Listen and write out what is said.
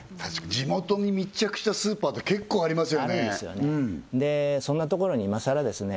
地元に密着したスーパーって結構ありますよねあるんですよね